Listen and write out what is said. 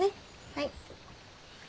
はい。